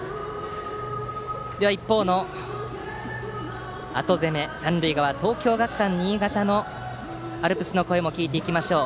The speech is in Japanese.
では一方の後攻め、三塁側東京学館新潟のアルプスの声も聞いていきましょう。